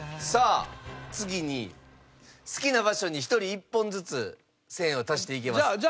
さあ次に好きな場所に１人１本ずつ線を足していけます。